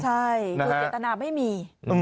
ใช่คือเจตนาไม่มี